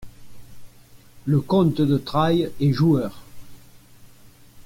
Le comte de Trailles est joueur.